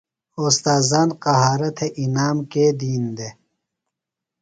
اوستاذان قہارہ تھےۡ انعام کے دِین دےۡ؟